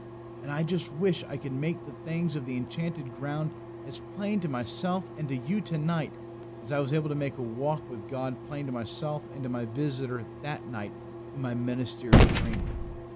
And I just wish I could make the things of the Enchanted Ground as plain to myself and to you to night as I was able to make a walk with God plain to myself and to my visitor that night in my ministerial dream.